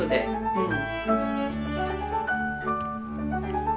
うん。